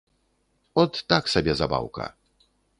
От, так сабе забаўка.